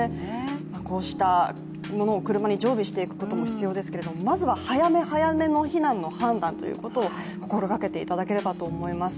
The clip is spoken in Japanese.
こうしたものを車に常備していくことも必要ですけどまずは早め早めの避難の判断ということを心がけていただければと思います。